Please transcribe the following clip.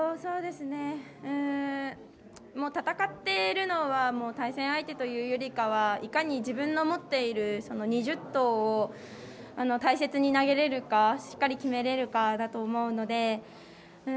戦ってるのは対戦相手というよりかはいかに自分の持っている２０投を大切に投げられるかしっかり決めれるかだと思うので。